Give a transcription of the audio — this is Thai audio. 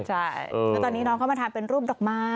ใช่แล้วตอนนี้น้องเข้ามาทานเป็นรูปดอกไม้